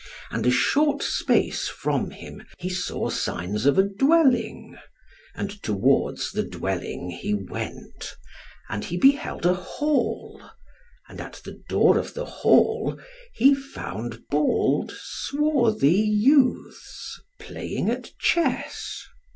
And a short space from him he saw signs of a dwelling, and towards the dwelling he went, and he beheld a hall, and at the door of the hall he found bald swarthy youths playing at chess.